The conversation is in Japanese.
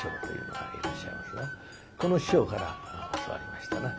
この師匠から教わりましたな。